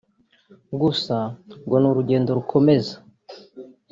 Gusa ngo ni urugendo rukomeza